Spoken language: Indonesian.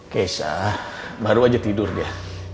kesa baru aja tidur dia